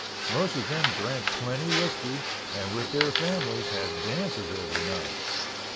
Most of them drank plenty whiskey and with their families had dances every night.